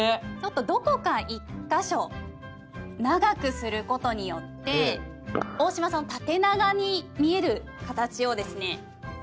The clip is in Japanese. どこか１カ所長くすることによって大島さんの縦長に見える形をですね